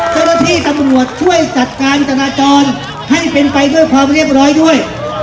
เจ้าหน้าที่ตำรวจช่วยจัดการจราจรให้เป็นไปด้วยความเรียบร้อยด้วย